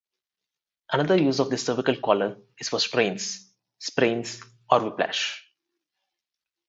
Another use of the cervical collar is for strains, sprains or whiplash.